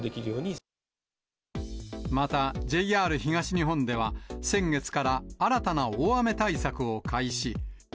またＪＲ東日本では、先月から新たな大雨対策を開始。